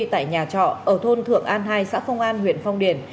tại nhà trọ ở thôn thượng an hai xã phong an huyện phong điền